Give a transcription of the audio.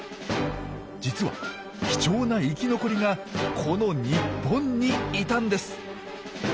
実は貴重な生き残りがこの日本にいたんです！